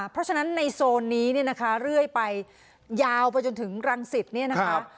เพราะฉะนั้นในโซนนี้เนี่ยนะคะเรื่อยไปยาวไปจนถึงรังสิตเนี่ยนะคะ